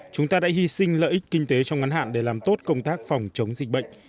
chúng ta đã hy sinh lợi ích kinh tế trong ngắn hạn để làm tốt công tác phòng chống dịch bệnh